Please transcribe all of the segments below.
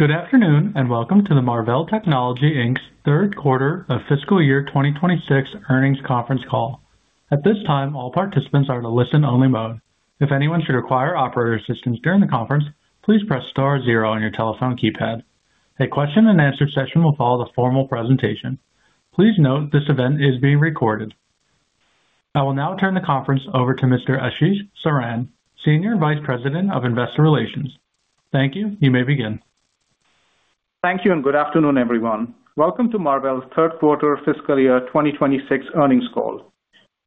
Good afternoon and welcome to the Marvell Technology Inc.'s third quarter of fiscal year 2026 earnings conference call. At this time, all participants are in a listen-only mode. If anyone should require operator assistance during the conference, please press star zero on your telephone keypad. A question-and-answer session will follow the formal presentation. Please note this event is being recorded. I will now turn the conference over to Mr. Ashish Saran, Senior Vice President of Investor Relations. Thank you. You may begin. Thank you and good afternoon, everyone. Welcome to Marvell's third quarter of fiscal year 2026 earnings call.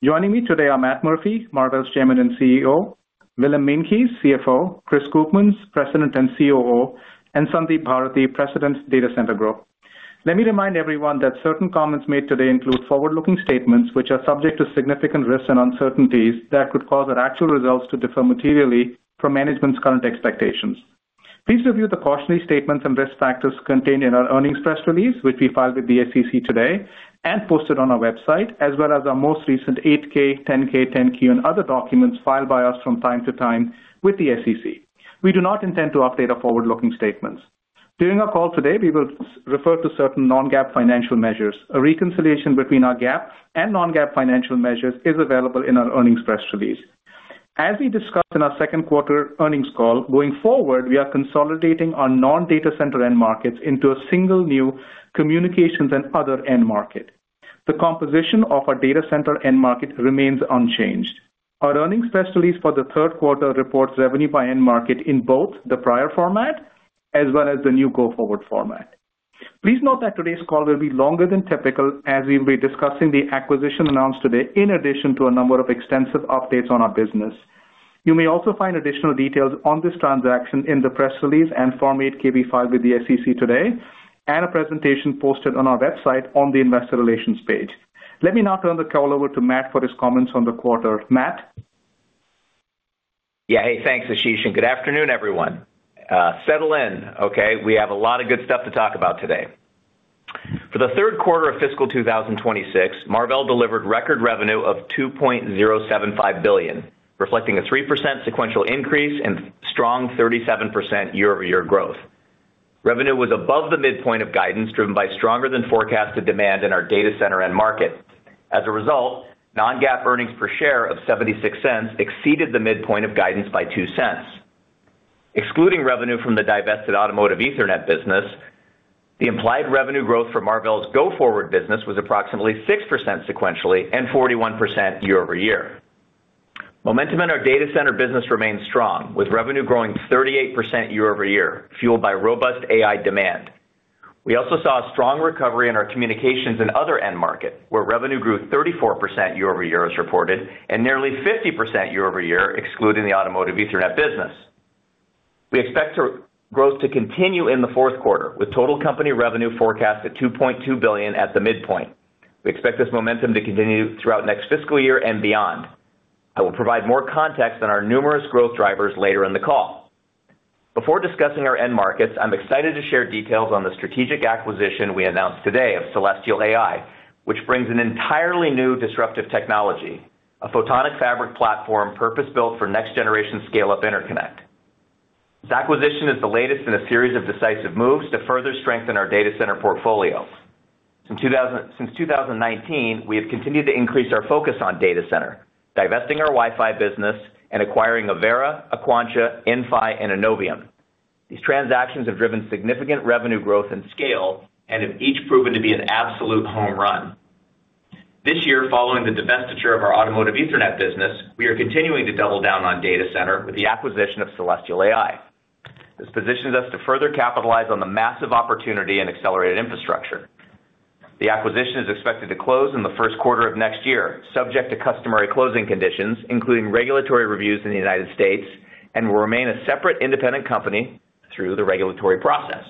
Joining me today are Matt Murphy, Marvell's Chairman and CEO, Willem Meintjes, CFO, Chris Koopmans, President and COO, and Sandeep Bharathi, President, Data Center Group. Let me remind everyone that certain comments made today include forward-looking statements which are subject to significant risks and uncertainties that could cause our actual results to differ materially from management's current expectations. Please review the cautionary statements and risk factors contained in our earnings press release, which we filed with the SEC today and posted on our website, as well as our most recent 8-K, 10-K, 10-Q, and other documents filed by us from time to time with the SEC. We do not intend to update our forward-looking statements. During our call today, we will refer to certain non-GAAP financial measures. A reconciliation between our GAAP and non-GAAP financial measures is available in our earnings press release. As we discussed in our second quarter earnings call, going forward, we are consolidating our non-data center end markets into a single new communications and other end market. The composition of our data center end market remains unchanged. Our earnings press release for the third quarter reports revenue by end market in both the prior format as well as the new go-forward format. Please note that today's call will be longer than typical as we will be discussing the acquisition announced today in addition to a number of extensive updates on our business. You may also find additional details on this transaction in the press release and Form 8-K filed with the SEC today, and a presentation posted on our website on the investor relations page. Let me now turn the call over to Matt for his comments on the quarter. Matt. Yeah, hey, thanks, Ashish. And good afternoon, everyone. Settle in, okay? We have a lot of good stuff to talk about today. For the third quarter of fiscal 2026, Marvell delivered record revenue of $2.075 billion, reflecting a 3% sequential increase and strong 37% year-over-year growth. Revenue was above the midpoint of guidance driven by stronger-than-forecast demand in our data center end market. As a result, non-GAAP earnings per share of $0.76 exceeded the midpoint of guidance by $0.02. Excluding revenue from the divested automotive Ethernet business, the implied revenue growth for Marvell's go-forward business was approximately 6% sequentially and 41% year-over-year. Momentum in our data center business remained strong, with revenue growing 38% year-over-year, fueled by robust AI demand. We also saw a strong recovery in our communications and other end market, where revenue grew 34% year-over-year as reported and nearly 50% year-over-year, excluding the automotive Ethernet business. We expect growth to continue in the fourth quarter, with total company revenue forecast at $2.2 billion at the midpoint. We expect this momentum to continue throughout next fiscal year and beyond. I will provide more context on our numerous growth drivers later in the call. Before discussing our end markets, I'm excited to share details on the strategic acquisition we announced today of Celestial AI, which brings an entirely new disruptive technology, a photonic fabric platform purpose-built for next-generation scale-up interconnect. This acquisition is the latest in a series of decisive moves to further strengthen our data center portfolio. Since 2019, we have continued to increase our focus on data center, divesting our Wi-Fi business and acquiring Avera, Aquantia, Inphi, and Innovium. These transactions have driven significant revenue growth and scale and have each proven to be an absolute home run. This year, following the divestiture of our automotive Ethernet business, we are continuing to double down on data center with the acquisition of Celestial AI. This positions us to further capitalize on the massive opportunity and accelerated infrastructure. The acquisition is expected to close in the first quarter of next year, subject to customary closing conditions, including regulatory reviews in the United States, and will remain a separate independent company through the regulatory process.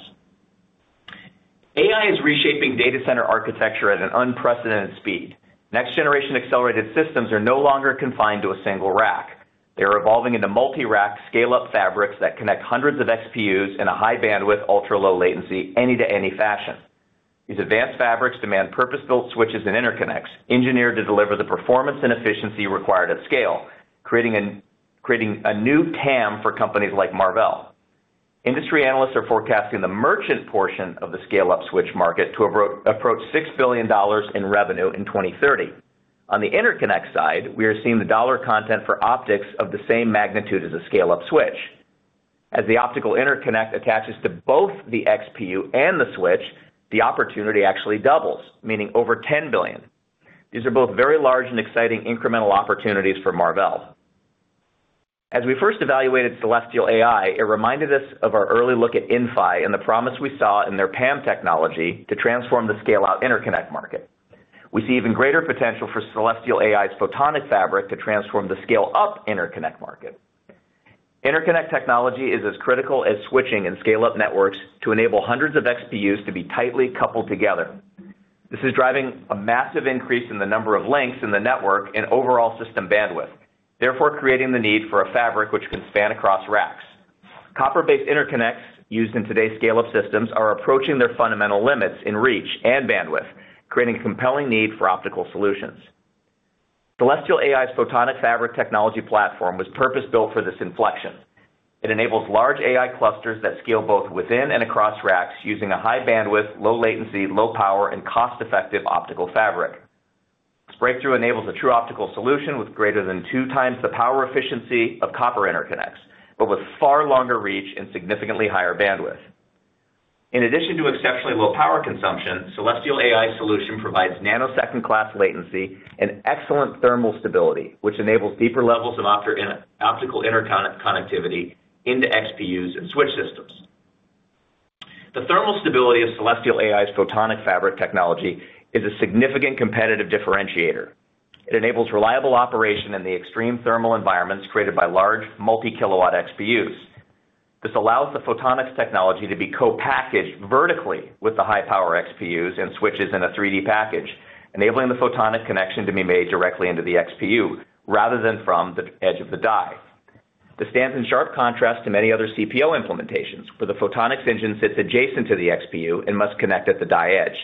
AI is reshaping data center architecture at an unprecedented speed. Next-generation accelerated systems are no longer confined to a single rack. They are evolving into multi-rack scale-up fabrics that connect hundreds of XPUs in a high-bandwidth, ultra-low-latency any-to-any fashion. These advanced fabrics demand purpose-built switches and interconnects engineered to deliver the performance and efficiency required at scale, creating a new TAM for companies like Marvell. Industry analysts are forecasting the merchant portion of the scale-up switch market to approach $6 billion in revenue in 2030. On the interconnect side, we are seeing the dollar content for optics of the same magnitude as a scale-up switch. As the optical interconnect attaches to both the XPU and the switch, the opportunity actually doubles, meaning over $10 billion. These are both very large and exciting incremental opportunities for Marvell. As we first evaluated Celestial AI, it reminded us of our early look at Inphi and the promise we saw in their PAM technology to transform the scale-out interconnect market. We see even greater potential for Celestial AI's photonic fabric to transform the scale-up interconnect market. Interconnect technology is as critical as switching and scale-up networks to enable hundreds of XPUs to be tightly coupled together. This is driving a massive increase in the number of links in the network and overall system bandwidth, therefore creating the need for a fabric which can span across racks. Copper-based interconnects used in today's scale-up systems are approaching their fundamental limits in reach and bandwidth, creating a compelling need for optical solutions. Celestial AI's Photonic Fabric technology platform was purpose-built for this inflection. It enables large AI clusters that scale both within and across racks using a high bandwidth, low latency, low power, and cost-effective optical fabric. This breakthrough enables a true optical solution with greater than two times the power efficiency of copper interconnects, but with far longer reach and significantly higher bandwidth. In addition to exceptionally low power consumption, Celestial AI's solution provides nanosecond-class latency and excellent thermal stability, which enables deeper levels of optical interconnectivity into XPUs and switch systems. The thermal stability of Celestial AI's photonic fabric technology is a significant competitive differentiator. It enables reliable operation in the extreme thermal environments created by large, multi-kilowatt XPUs. This allows the photonics technology to be co-packaged vertically with the high-power XPUs and switches in a 3D package, enabling the photonic connection to be made directly into the XPU rather than from the edge of the die. This stands in sharp contrast to many other CPO implementations, where the photonics engine sits adjacent to the XPU and must connect at the die edge.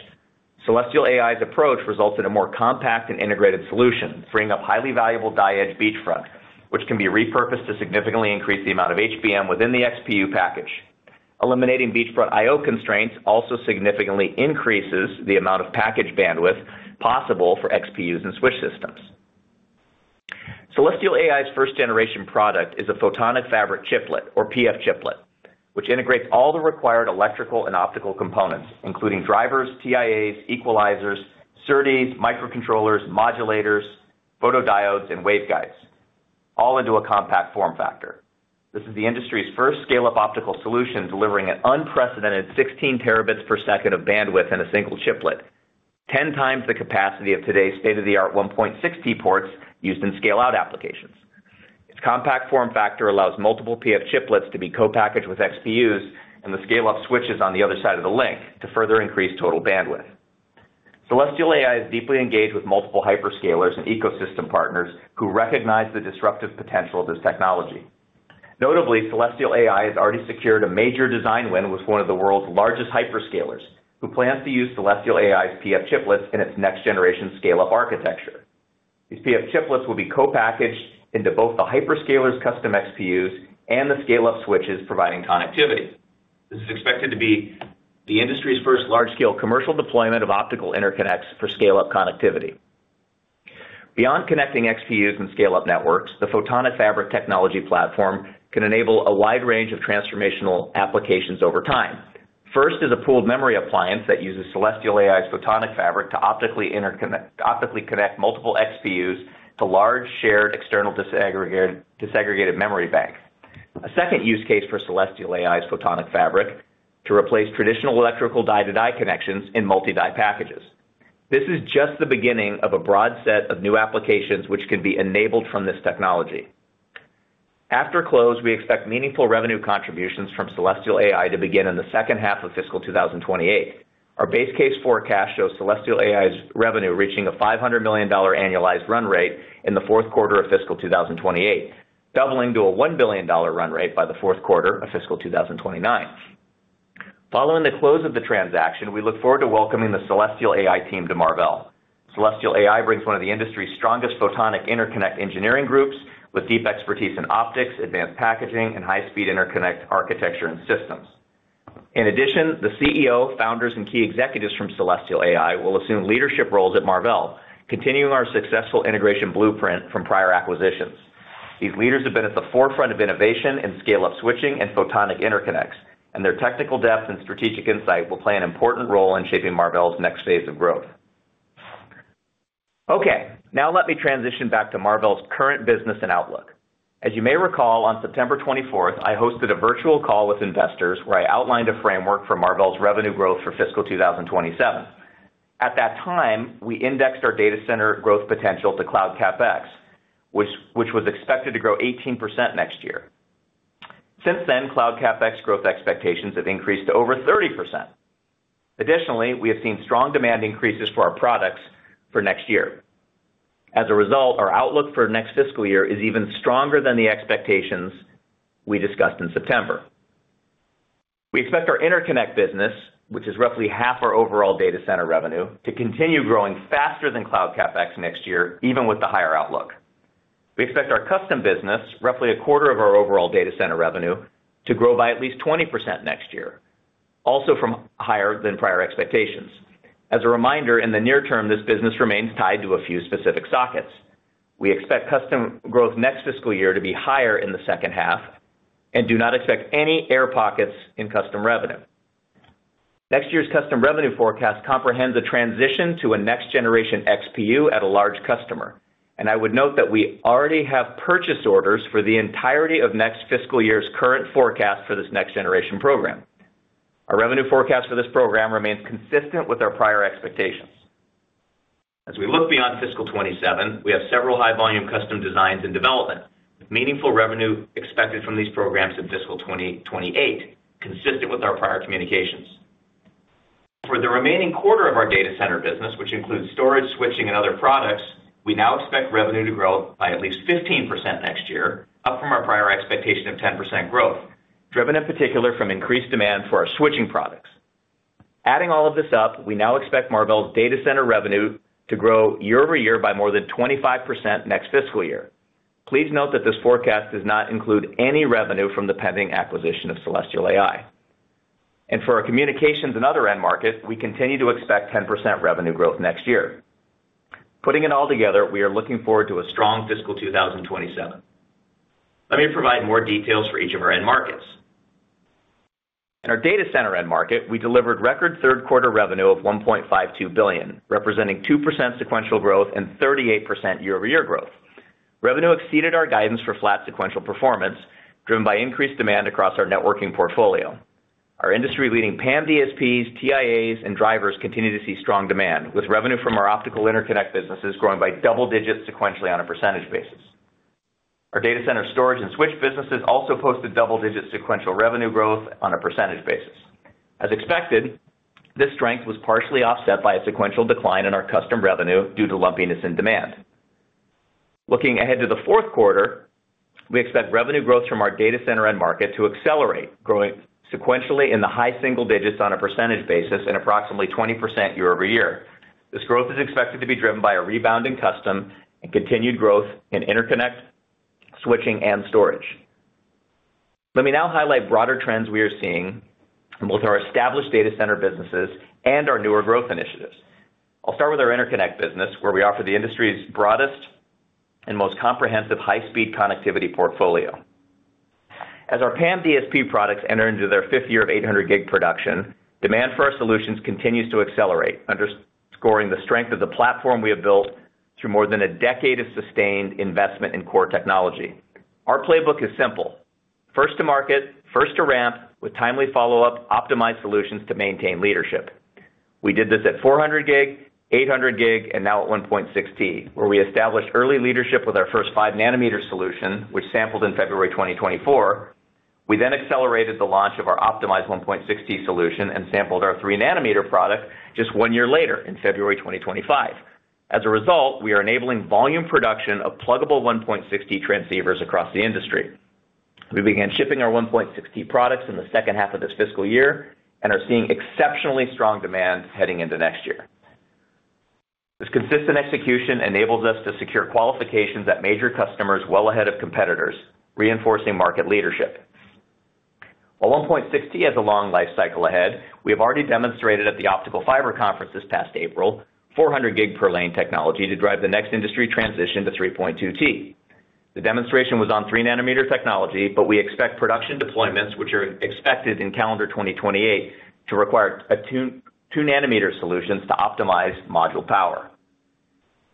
Celestial AI's approach results in a more compact and integrated solution, freeing up highly valuable die edge beachfront, which can be repurposed to significantly increase the amount of HBM within the XPU package. Eliminating beachfront I/O constraints also significantly increases the amount of package bandwidth possible for XPUs and switch systems. Celestial AI's first-generation product is a photonic fabric chiplet, or PF chiplet, which integrates all the required electrical and optical components, including drivers, TIAs, equalizers, SerDes, microcontrollers, modulators, photodiodes, and waveguides, all into a compact form factor. This is the industry's first scale-up optical solution delivering an unprecedented 16 TB per second of bandwidth in a single chiplet, 10 times the capacity of today's state-of-the-art 1.6T ports used in scale-out applications. Its compact form factor allows multiple PF chiplets to be co-packaged with XPUs and the scale-up switches on the other side of the link to further increase total bandwidth. Celestial AI is deeply engaged with multiple hyperscalers and ecosystem partners who recognize the disruptive potential of this technology. Notably, Celestial AI has already secured a major design win with one of the world's largest hyperscalers, who plans to use Celestial AI's PF chiplets in its next-generation scale-up architecture. These PF chiplets will be co-packaged into both the hyperscaler's custom XPUs and the scale-up switches providing connectivity. This is expected to be the industry's first large-scale commercial deployment of optical interconnects for scale-up connectivity. Beyond connecting XPUs and scale-up networks, the photonic fabric technology platform can enable a wide range of transformational applications over time. First is a pooled memory appliance that uses Celestial AI's photonic fabric to optically connect multiple XPUs to large shared external disaggregated memory banks. A second use case for Celestial AI's photonic fabric is to replace traditional electrical die-to-die connections in multi-die packages. This is just the beginning of a broad set of new applications which can be enabled from this technology. After close, we expect meaningful revenue contributions from Celestial AI to begin in the second half of fiscal 2028. Our base case forecast shows Celestial AI's revenue reaching a $500 million annualized run rate in the fourth quarter of fiscal 2028, doubling to a $1 billion run rate by the fourth quarter of fiscal 2029. Following the close of the transaction, we look forward to welcoming the Celestial AI team to Marvell. Celestial AI brings one of the industry's strongest photonic interconnect engineering groups with deep expertise in optics, advanced packaging, and high-speed interconnect architecture and systems. In addition, the CEO, founders, and key executives from Celestial AI will assume leadership roles at Marvell, continuing our successful integration blueprint from prior acquisitions. These leaders have been at the forefront of innovation in scale-up switching and photonic interconnects, and their technical depth and strategic insight will play an important role in shaping Marvell's next phase of growth. Okay, now let me transition back to Marvell's current business and outlook. As you may recall, on September 24th, I hosted a virtual call with investors where I outlined a framework for Marvell's revenue growth for fiscal 2027. At that time, we indexed our data center growth potential to Cloud CapEx, which was expected to grow 18% next year. Since then, Cloud CapEx growth expectations have increased to over 30%. Additionally, we have seen strong demand increases for our products for next year. As a result, our outlook for next fiscal year is even stronger than the expectations we discussed in September. We expect our interconnect business, which is roughly half our overall data center revenue, to continue growing faster than Cloud CapEx next year, even with the higher outlook. We expect our custom business, roughly a quarter of our overall data center revenue, to grow by at least 20% next year, also from higher than prior expectations. As a reminder, in the near term, this business remains tied to a few specific sockets. We expect custom growth next fiscal year to be higher in the second half and do not expect any air pockets in custom revenue. Next year's custom revenue forecast comprehends a transition to a next-generation XPU at a large customer, and I would note that we already have purchase orders for the entirety of next fiscal year's current forecast for this next-generation program. Our revenue forecast for this program remains consistent with our prior expectations. As we look beyond fiscal 2027, we have several high-volume custom designs in development, meaningful revenue expected from these programs in fiscal 2028, consistent with our prior communications. For the remaining quarter of our data center business, which includes storage, switching, and other products, we now expect revenue to grow by at least 15% next year, up from our prior expectation of 10% growth, driven in particular from increased demand for our switching products. Adding all of this up, we now expect Marvell's data center revenue to grow year-over-year by more than 25% next fiscal year. Please note that this forecast does not include any revenue from the pending acquisition of Celestial AI. And for our communications and other end market, we continue to expect 10% revenue growth next year. Putting it all together, we are looking forward to a strong fiscal 2027. Let me provide more details for each of our end markets. In our data center end market, we delivered record third-quarter revenue of $1.52 billion, representing 2% sequential growth and 38% year-over-year growth. Revenue exceeded our guidance for flat sequential performance, driven by increased demand across our networking portfolio. Our industry-leading PAM DSPs, TIAs, and drivers continue to see strong demand, with revenue from our optical interconnect businesses growing by double digits sequentially on a percentage basis. Our data center storage and switch businesses also posted double-digit sequential revenue growth on a percentage basis. As expected, this strength was partially offset by a sequential decline in our custom revenue due to lumpiness in demand. Looking ahead to the fourth quarter, we expect revenue growth from our data center end market to accelerate, growing sequentially in the high single digits on a percentage basis and approximately 20% year-over-year. This growth is expected to be driven by a rebound in custom and continued growth in interconnect, switching, and storage. Let me now highlight broader trends we are seeing in both our established data center businesses and our newer growth initiatives. I'll start with our interconnect business, where we offer the industry's broadest and most comprehensive high-speed connectivity portfolio. As our PAM DSP products enter into their fifth year of 800-gig production, demand for our solutions continues to accelerate, underscoring the strength of the platform we have built through more than a decade of sustained investment in core technology. Our playbook is simple: first to market, first to ramp, with timely follow-up, optimized solutions to maintain leadership. We did this at 400-gig, 800-gig, and now at 1.6T, where we established early leadership with our first 5-nanometer solution, which sampled in February 2024. We then accelerated the launch of our optimized 1.6T solution and sampled our 3-nanometer product just one year later in February 2025. As a result, we are enabling volume production of pluggable 1.6T transceivers across the industry. We began shipping our 1.6T products in the second half of this fiscal year and are seeing exceptionally strong demand heading into next year. This consistent execution enables us to secure qualifications at major customers well ahead of competitors, reinforcing market leadership. While 1.6T has a long lifecycle ahead, we have already demonstrated at the Optical Fiber Conference this past April 400-gig per lane technology to drive the next industry transition to 3.2T. The demonstration was on 3-nanometer technology, but we expect production deployments, which are expected in calendar 2028, to require 2-nanometer solutions to optimize module power.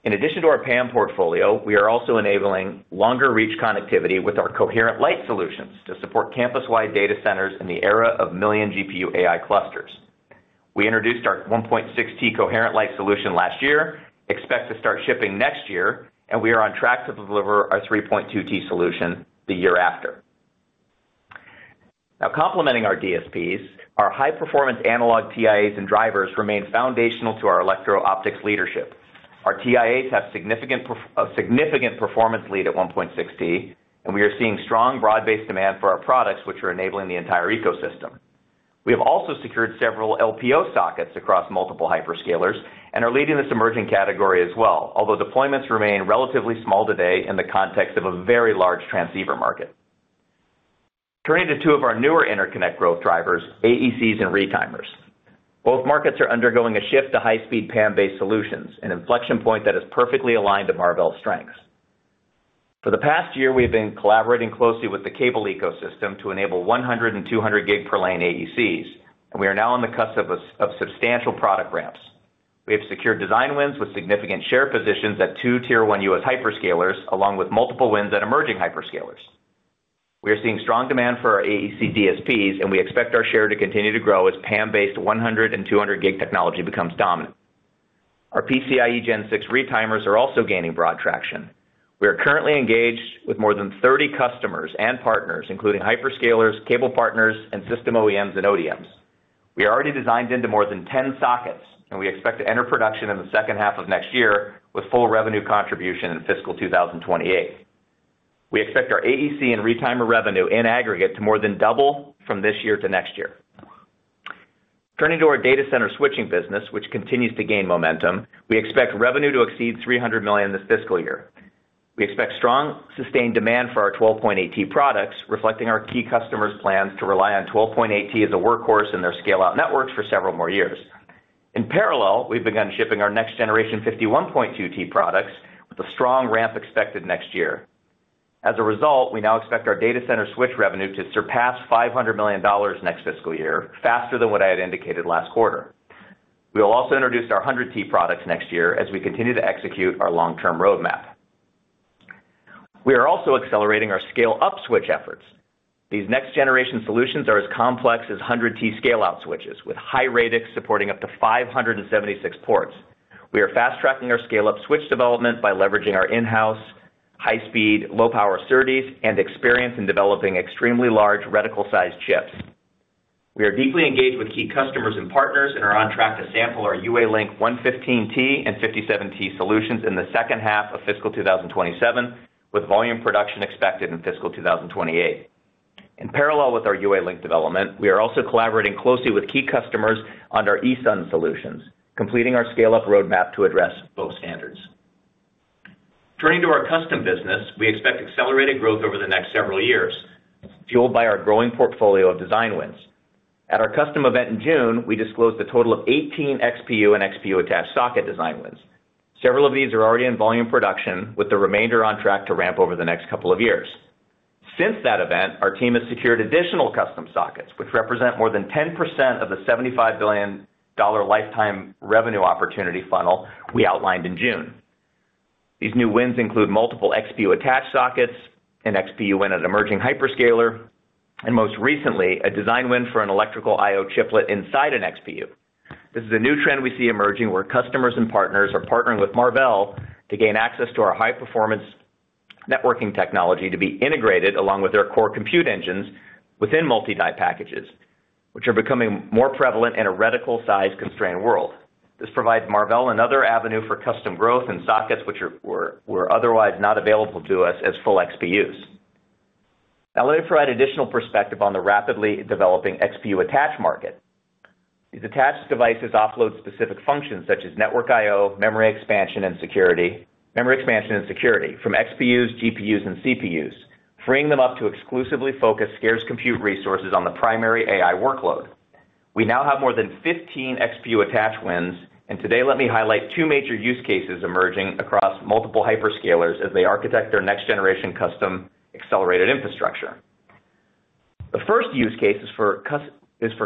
In addition to our PAM portfolio, we are also enabling longer-reach connectivity with our coherent light solutions to support campus-wide data centers in the era of million GPU AI clusters. We introduced our 1.6T Coherent Light solution last year. We expect to start shipping next year, and we are on track to deliver our 3.2T solution the year after. Now, complementing our DSPs, our high-performance analog TIAs and drivers remain foundational to our electro-optics leadership. Our TIAs have a significant performance lead at 1.6T, and we are seeing strong broad-based demand for our products, which are enabling the entire ecosystem. We have also secured several LPO sockets across multiple hyperscalers and are leading this emerging category as well, although deployments remain relatively small today in the context of a very large transceiver market. Turning to two of our newer interconnect growth drivers, AECs and retimers. Both markets are undergoing a shift to high-speed PAM-based solutions, an inflection point that is perfectly aligned to Marvell's strengths. For the past year, we have been collaborating closely with the cable ecosystem to enable 100 and 200-gig per lane AECs, and we are now on the cusp of substantial product ramps. We have secured design wins with significant share positions at two Tier 1 U.S. hyperscalers, along with multiple wins at emerging hyperscalers. We are seeing strong demand for our AEC DSPs, and we expect our share to continue to grow as PAM-based 100 and 200-gig technology becomes dominant. Our PCIe Gen 6 retimers are also gaining broad traction. We are currently engaged with more than 30 customers and partners, including hyperscalers, cable partners, and system OEMs and ODMs. We are already designed into more than 10 sockets, and we expect to enter production in the second half of next year with full revenue contribution in fiscal 2028. We expect our AEC and retimer revenue in aggregate to more than double from this year to next year. Turning to our data center switching business, which continues to gain momentum, we expect revenue to exceed $300 million this fiscal year. We expect strong sustained demand for our 12.8T products, reflecting our key customers' plans to rely on 12.8T as a workhorse in their scale-out networks for several more years. In parallel, we've begun shipping our next-generation 51.2T products with a strong ramp expected next year. As a result, we now expect our data center switch revenue to surpass $500 million next fiscal year, faster than what I had indicated last quarter. We will also introduce our 100T products next year as we continue to execute our long-term roadmap. We are also accelerating our scale-up switch efforts. These next-generation solutions are as complex as 100T scale-out switches, with high radix supporting up to 576 ports. We are fast-tracking our scale-up switch development by leveraging our in-house, high-speed, low-power SerDes and experience in developing extremely large reticle-sized chips. We are deeply engaged with key customers and partners and are on track to sample our UALink 115T and 57T solutions in the second half of fiscal 2027, with volume production expected in fiscal 2028. In parallel with our UALink development, we are also collaborating closely with key customers under CXL solutions, completing our scale-up roadmap to address both standards. Turning to our custom business, we expect accelerated growth over the next several years, fueled by our growing portfolio of design wins. At our custom event in June, we disclosed a total of 18 XPU and XPU-attached socket design wins. Several of these are already in volume production, with the remainder on track to ramp over the next couple of years. Since that event, our team has secured additional custom sockets, which represent more than 10% of the $75 billion lifetime revenue opportunity funnel we outlined in June. These new wins include multiple XPU-attached sockets, an XPU win at an emerging hyperscaler, and most recently, a design win for an electrical I/O chiplet inside an XPU. This is a new trend we see emerging where customers and partners are partnering with Marvell to gain access to our high-performance networking technology to be integrated along with their core compute engines within multi-die packages, which are becoming more prevalent in a reticle-sized constrained world. This provides Marvell another avenue for custom growth and sockets, which were otherwise not available to us as full XPUs. Now, let me provide additional perspective on the rapidly developing XPU-attached market. These attached devices offload specific functions such as network I/O, memory expansion, and security from XPUs, GPUs, and CPUs, freeing them up to exclusively focus scarce compute resources on the primary AI workload. We now have more than 15 XPU-attached wins, and today, let me highlight two major use cases emerging across multiple hyperscalers as they architect their next-generation custom accelerated infrastructure. The first use case is for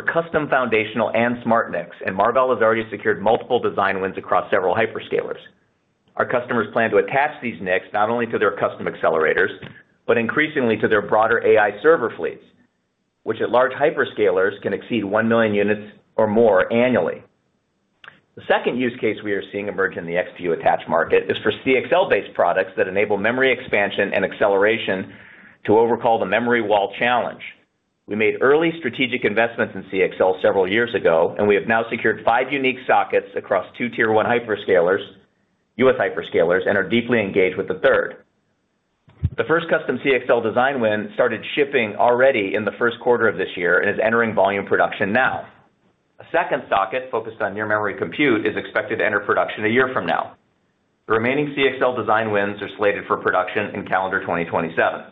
custom foundational and smart NICs, and Marvell has already secured multiple design wins across several hyperscalers. Our customers plan to attach these NICs not only to their custom accelerators, but increasingly to their broader AI server fleets, which at large hyperscalers can exceed 1 million units or more annually. The second use case we are seeing emerge in the XPU-attached market is for CXL-based products that enable memory expansion and acceleration to overcome the memory wall challenge. We made early strategic investments in CXL several years ago, and we have now secured five unique sockets across two Tier 1 hyperscalers, U.S. hyperscalers, and are deeply engaged with the third. The first custom CXL design win started shipping already in the first quarter of this year and is entering volume production now. A second socket focused on near-memory compute is expected to enter production a year from now. The remaining CXL design wins are slated for production in calendar 2027.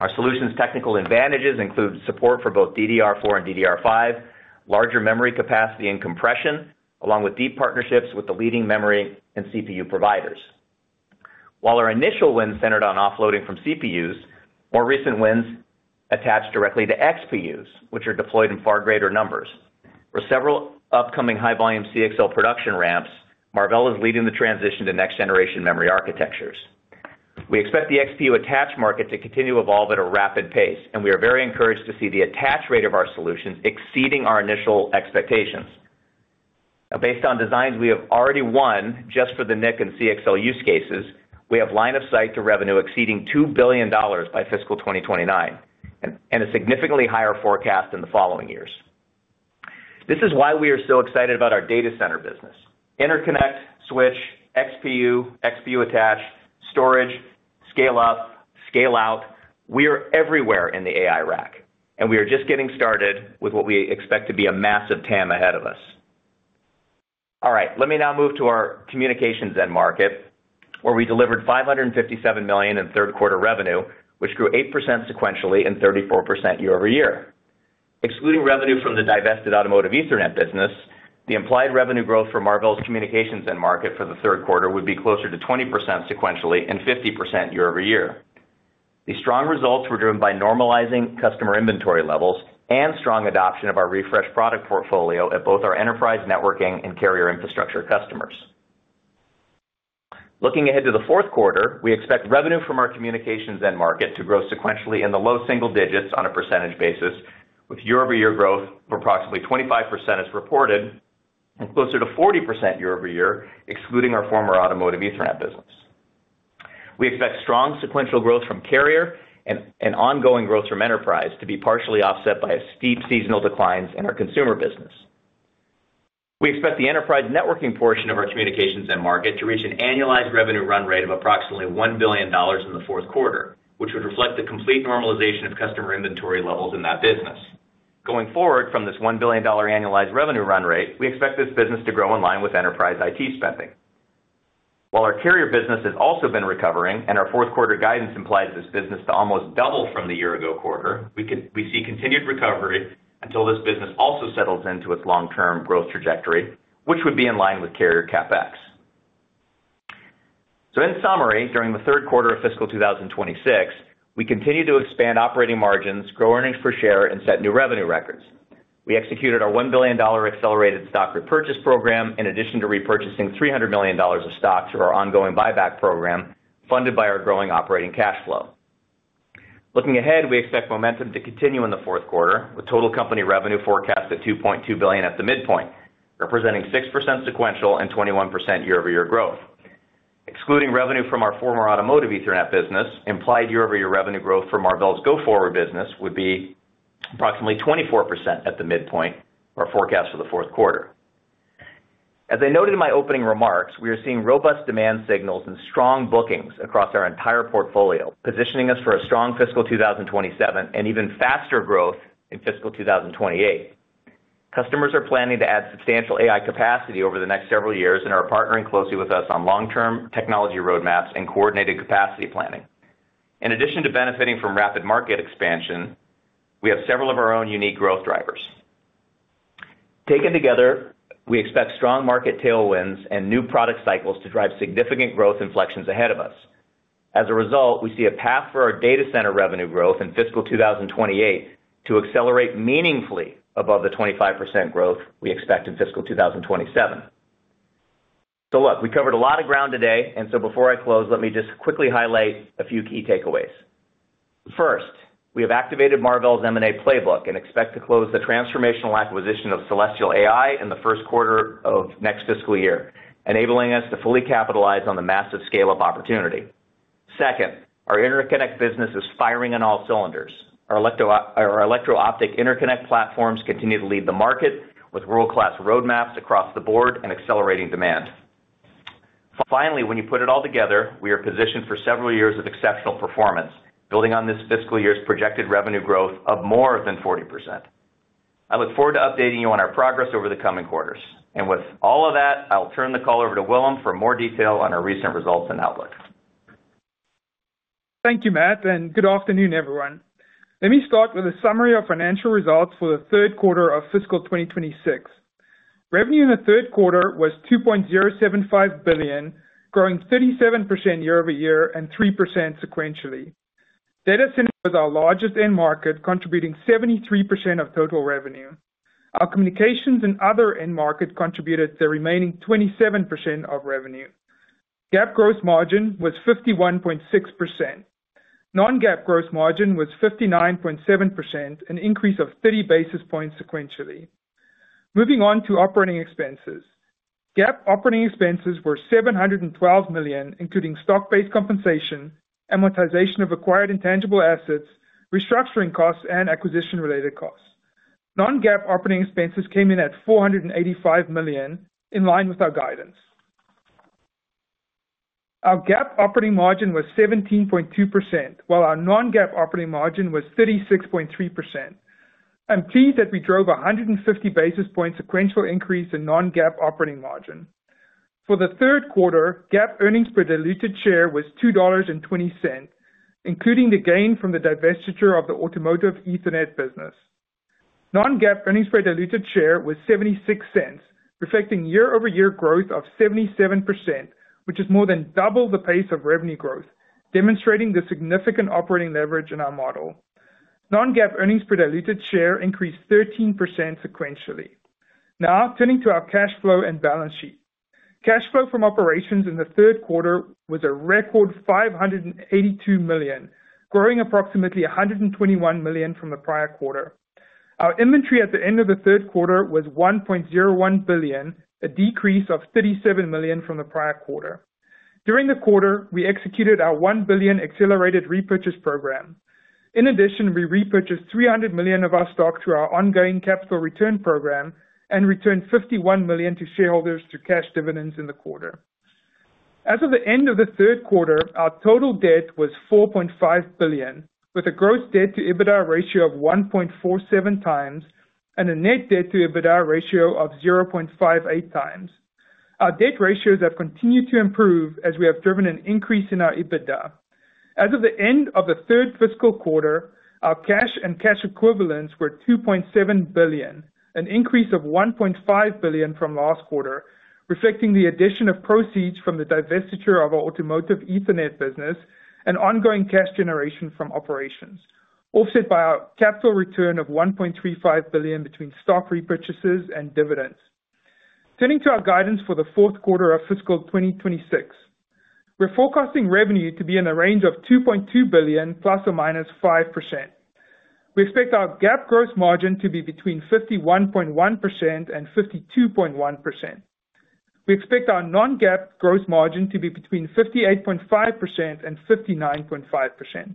Our solution's technical advantages include support for both DDR4 and DDR5, larger memory capacity and compression, along with deep partnerships with the leading memory and CPU providers. While our initial win centered on offloading from CPUs, more recent wins attached directly to XPUs, which are deployed in far greater numbers. For several upcoming high-volume CXL production ramps, Marvell is leading the transition to next-generation memory architectures. We expect the XPU-attached market to continue to evolve at a rapid pace, and we are very encouraged to see the attach rate of our solutions exceeding our initial expectations. Now, based on designs we have already won just for the NIC and CXL use cases, we have line of sight to revenue exceeding $2 billion by fiscal 2029 and a significantly higher forecast in the following years. This is why we are so excited about our data center business. Interconnect, switch, XPU, XPU-attached, storage, scale-up, scale-out, we are everywhere in the AI rack, and we are just getting started with what we expect to be a massive TAM ahead of us. All right, let me now move to our communications end market, where we delivered $557 million in third-quarter revenue, which grew 8% sequentially and 34% year-over-year. Excluding revenue from the divested automotive Ethernet business, the implied revenue growth for Marvell's communications end market for the third quarter would be closer to 20% sequentially and 50% year-over-year. These strong results were driven by normalizing customer inventory levels and strong adoption of our refreshed product portfolio at both our enterprise networking and carrier infrastructure customers. Looking ahead to the fourth quarter, we expect revenue from our communications end market to grow sequentially in the low single digits on a percentage basis, with year-over-year growth of approximately 25% as reported and closer to 40% year-over-year, excluding our former automotive Ethernet business. We expect strong sequential growth from carrier and ongoing growth from enterprise to be partially offset by steep seasonal declines in our consumer business. We expect the enterprise networking portion of our communications end market to reach an annualized revenue run rate of approximately $1 billion in the fourth quarter, which would reflect the complete normalization of customer inventory levels in that business. Going forward from this $1 billion annualized revenue run rate, we expect this business to grow in line with enterprise IT spending. While our carrier business has also been recovering and our fourth-quarter guidance implies this business to almost double from the year-ago quarter, we see continued recovery until this business also settles into its long-term growth trajectory, which would be in line with carrier CapEx. So, in summary, during the third quarter of fiscal 2026, we continue to expand operating margins, grow earnings per share, and set new revenue records. We executed our $1 billion accelerated stock repurchase program in addition to repurchasing $300 million of stock through our ongoing buyback program funded by our growing operating cash flow. Looking ahead, we expect momentum to continue in the fourth quarter, with total company revenue forecast at $2.2 billion at the midpoint, representing 6% sequential and 21% year-over-year growth. Excluding revenue from our former automotive Ethernet business, implied year-over-year revenue growth from Marvell's go-forward business would be approximately 24% at the midpoint of our forecast for the fourth quarter. As I noted in my opening remarks, we are seeing robust demand signals and strong bookings across our entire portfolio, positioning us for a strong fiscal 2027 and even faster growth in fiscal 2028. Customers are planning to add substantial AI capacity over the next several years and are partnering closely with us on long-term technology roadmaps and coordinated capacity planning. In addition to benefiting from rapid market expansion, we have several of our own unique growth drivers. Taken together, we expect strong market tailwinds and new product cycles to drive significant growth inflections ahead of us. As a result, we see a path for our data center revenue growth in fiscal 2028 to accelerate meaningfully above the 25% growth we expect in fiscal 2027, so look, we covered a lot of ground today, and so before I close, let me just quickly highlight a few key takeaways. First, we have activated Marvell's M&A playbook and expect to close the transformational acquisition of Celestial AI in the first quarter of next fiscal year, enabling us to fully capitalize on the massive scale-up opportunity. Second, our interconnect business is firing on all cylinders. Our electro-optic interconnect platforms continue to lead the market with world-class roadmaps across the board and accelerating demand. Finally, when you put it all together, we are positioned for several years of exceptional performance, building on this fiscal year's projected revenue growth of more than 40%. I look forward to updating you on our progress over the coming quarters, and with all of that, I'll turn the call over to Willem for more detail on our recent results and outlook. Thank you, Matt, and good afternoon, everyone. Let me start with a summary of financial results for the third quarter of fiscal 2026. Revenue in the third quarter was $2.075 billion, growing 37% year-over-year and 3% sequentially. Data centers were our largest end market, contributing 73% of total revenue. Our communications and other end market contributed the remaining 27% of revenue. GAAP gross margin was 51.6%. Non-GAAP gross margin was 59.7%, an increase of 30 basis points sequentially. Moving on to operating expenses. GAAP operating expenses were $712 million, including stock-based compensation, amortization of acquired intangible assets, restructuring costs, and acquisition-related costs. Non-GAAP operating expenses came in at $485 million, in line with our guidance. Our GAAP operating margin was 17.2%, while our Non-GAAP operating margin was 36.3%. I'm pleased that we drove a 150 basis point sequential increase in Non-GAAP operating margin. For the third quarter, GAAP earnings per diluted share was $2.20, including the gain from the divestiture of the automotive Ethernet business. Non-GAAP earnings per diluted share was $0.76, reflecting year-over-year growth of 77%, which is more than double the pace of revenue growth, demonstrating the significant operating leverage in our model. Non-GAAP earnings per diluted share increased 13% sequentially. Now, turning to our cash flow and balance sheet. Cash flow from operations in the third quarter was a record $582 million, growing approximately $121 million from the prior quarter. Our inventory at the end of the third quarter was $1.01 billion, a decrease of $37 million from the prior quarter. During the quarter, we executed our $1 billion accelerated repurchase program. In addition, we repurchased $300 million of our stock through our ongoing capital return program and returned $51 million to shareholders through cash dividends in the quarter. As of the end of the third quarter, our total debt was $4.5 billion, with a gross debt-to-EBITDA ratio of 1.47 times and a net debt-to-EBITDA ratio of 0.58 times. Our debt ratios have continued to improve as we have driven an increase in our EBITDA. As of the end of the third fiscal quarter, our cash and cash equivalents were $2.7 billion, an increase of $1.5 billion from last quarter, reflecting the addition of proceeds from the divestiture of our automotive Ethernet business and ongoing cash generation from operations, offset by our capital return of $1.35 billion between stock repurchases and dividends. Turning to our guidance for the fourth quarter of fiscal 2026, we're forecasting revenue to be in the range of $2.2 billion, plus or minus 5%. We expect our GAAP gross margin to be between 51.1% and 52.1%. We expect our Non-GAAP gross margin to be between 58.5% and 59.5%.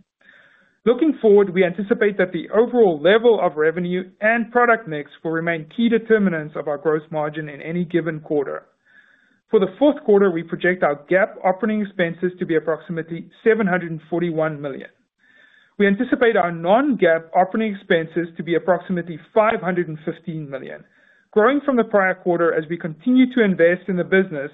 Looking forward, we anticipate that the overall level of revenue and product mix will remain key determinants of our gross margin in any given quarter. For the fourth quarter, we project our GAAP operating expenses to be approximately $741 million. We anticipate our Non-GAAP operating expenses to be approximately $515 million, growing from the prior quarter as we continue to invest in the business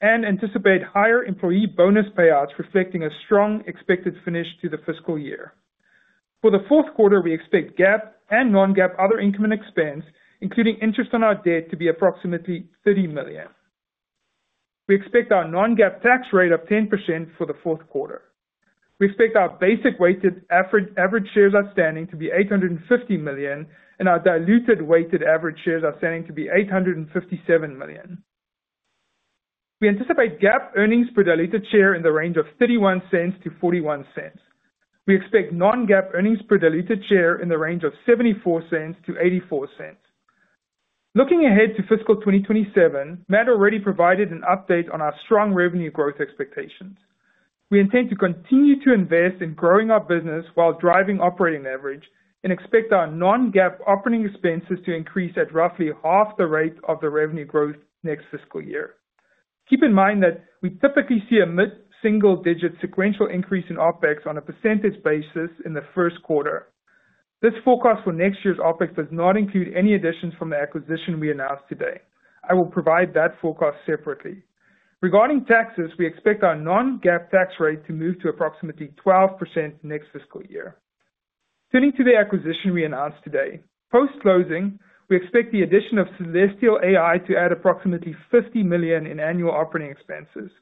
and anticipate higher employee bonus payouts reflecting a strong expected finish to the fiscal year. For the fourth quarter, we expect GAAP and Non-GAAP other income and expense, including interest on our debt, to be approximately $30 million. We expect our Non-GAAP tax rate of 10% for the fourth quarter. We expect our basic weighted average shares outstanding to be 850 million and our diluted weighted average shares outstanding to be 857 million. We anticipate GAAP earnings per diluted share in the range of $0.31-$0.41. We expect Non-GAAP earnings per diluted share in the range of $0.74-$0.84. Looking ahead to fiscal 2027, Matt already provided an update on our strong revenue growth expectations. We intend to continue to invest in growing our business while driving operating leverage and expect our Non-GAAP operating expenses to increase at roughly half the rate of the revenue growth next fiscal year. Keep in mind that we typically see a mid-single-digit sequential increase in OpEx on a percentage basis in the first quarter. This forecast for next year's OpEx does not include any additions from the acquisition we announced today. I will provide that forecast separately. Regarding taxes, we expect our Non-GAAP tax rate to move to approximately 12% next fiscal year. Turning to the acquisition we announced today, post-closing, we expect the addition of Celestial AI to add approximately $50 million in annual operating expenses.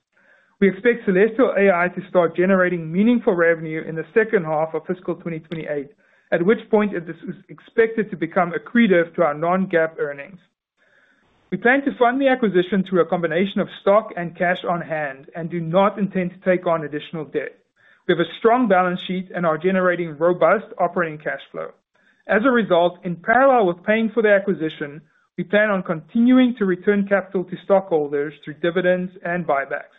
We expect Celestial AI to start generating meaningful revenue in the second half of fiscal 2028, at which point it is expected to become accretive to our Non-GAAP earnings. We plan to fund the acquisition through a combination of stock and cash on hand and do not intend to take on additional debt. We have a strong balance sheet and are generating robust operating cash flow. As a result, in parallel with paying for the acquisition, we plan on continuing to return capital to stockholders through dividends and buybacks.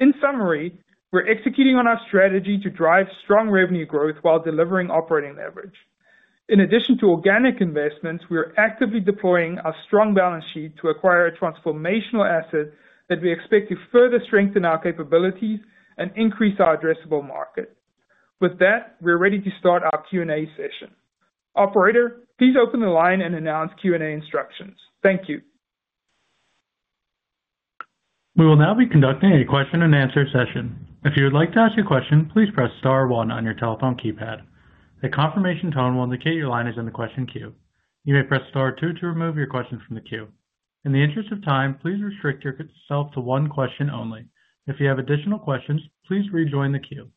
In summary, we're executing on our strategy to drive strong revenue growth while delivering operating leverage. In addition to organic investments, we are actively deploying our strong balance sheet to acquire a transformational asset that we expect to further strengthen our capabilities and increase our addressable market. With that, we're ready to start our Q&A session. Operator, please open the line and announce Q&A instructions. Thank you. We will now be conducting a question-and-answer session. If you would like to ask a question, please press star one on your telephone keypad. The confirmation tone will indicate your line is in the question queue. You may press star two to remove your question from the queue. In the interest of time, please restrict yourself to one question only. If you have additional questions, please rejoin the queue.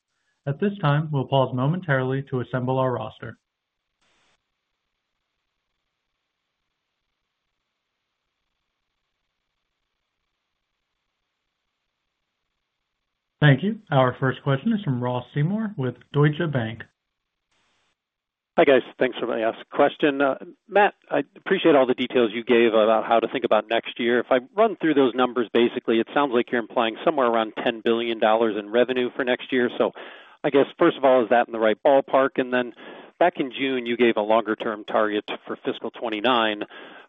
At this time, we'll pause momentarily to assemble our roster. Thank you. Our first question is from Ross Seymore with Deutsche Bank. Hi guys, thanks for letting me ask a question. Matt, I appreciate all the details you gave about how to think about next year. If I run through those numbers, basically, it sounds like you're implying somewhere around $10 billion in revenue for next year. So I guess, first of all, is that in the right ballpark? And then back in June, you gave a longer-term target for fiscal 2029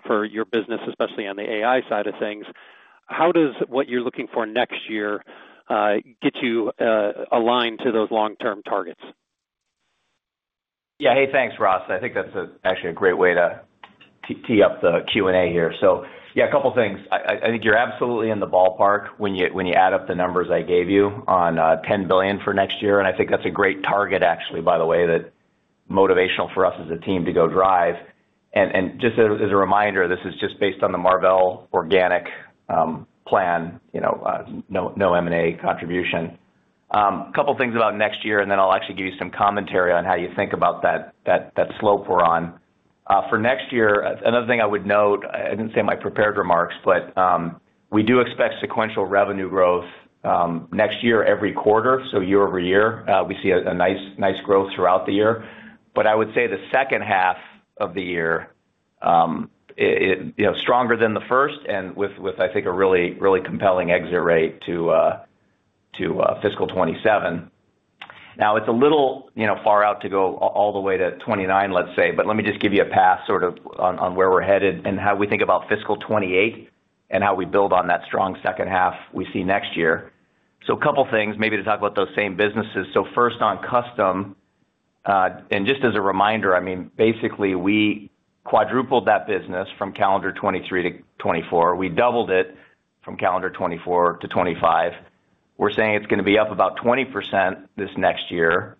for your business, especially on the AI side of things. How does what you're looking for next year get you aligned to those long-term targets? Yeah, hey, thanks, Ross. I think that's actually a great way to tee up the Q&A here. So yeah, a couple of things. I think you're absolutely in the ballpark when you add up the numbers I gave you on $10 billion for next year. I think that's a great target, actually, by the way, that is motivational for us as a team to go drive. Just as a reminder, this is just based on the Marvell organic plan, no M&A contribution. A couple of things about next year, and then I'll actually give you some commentary on how you think about that slope we're on. For next year, another thing I would note. I didn't say in my prepared remarks, but we do expect sequential revenue growth next year every quarter, so year-over-year. We see a nice growth throughout the year. I would say the second half of the year is stronger than the first and with, I think, a really compelling exit rate to fiscal 2027. Now, it's a little far out to go all the way to 2029, let's say, but let me just give you a path sort of on where we're headed and how we think about fiscal 2028 and how we build on that strong second half we see next year. So a couple of things, maybe to talk about those same businesses. So first, on custom, and just as a reminder, I mean, basically, we quadrupled that business from calendar 2023 to 2024. We doubled it from calendar 2024 to 2025. We're saying it's going to be up about 20% this next year.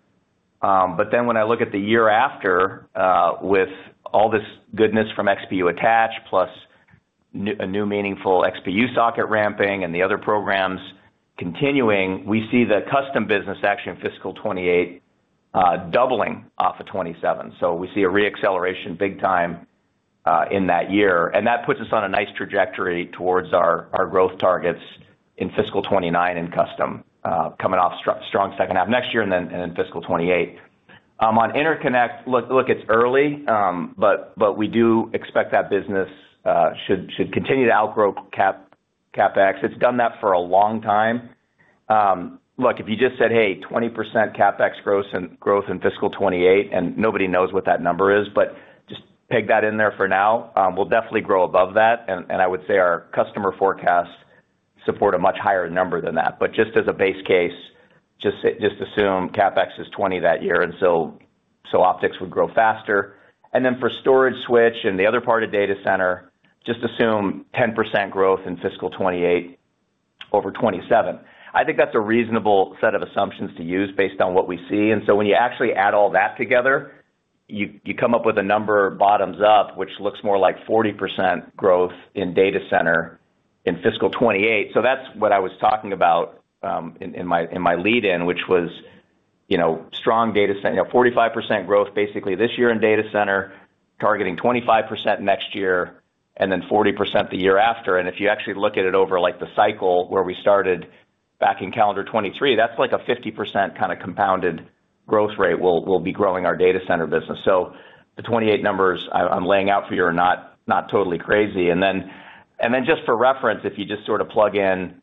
But then when I look at the year after, with all this goodness from XPU Attach, plus a new meaningful XPU socket ramping and the other programs continuing, we see the custom business actually in fiscal 2028 doubling off of 2027. We see a re-acceleration big time in that year. And that puts us on a nice trajectory towards our growth targets in fiscal 2029 in custom, coming off strong second half next year and then in fiscal 2028. On interconnect, look, it's early, but we do expect that business should continue to outgrow CapEx. It's done that for a long time. Look, if you just said, "Hey, 20% CapEx growth in fiscal 2028," and nobody knows what that number is, but just peg that in there for now, we'll definitely grow above that. And I would say our customer forecasts support a much higher number than that. But just as a base case, just assume CapEx is 20% that year and so OpEx would grow faster. And then for storage switch and the other part of data center, just assume 10% growth in fiscal 2028 over 2027. I think that's a reasonable set of assumptions to use based on what we see. And so when you actually add all that together, you come up with a number bottoms up, which looks more like 40% growth in data center in fiscal 2028. So that's what I was talking about in my lead-in, which was strong data center, 45% growth basically this year in data center, targeting 25% next year, and then 40% the year after. And if you actually look at it over the cycle where we started back in calendar 2023, that's like a 50% kind of compounded growth rate we'll be growing our data center business. So the 2028 numbers I'm laying out for you are not totally crazy. And then just for reference, if you just sort of plug in